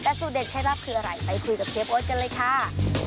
แต่สูตเด็ดเคล็ดลับคืออะไรไปคุยกับเชฟโอ๊ตกันเลยค่ะ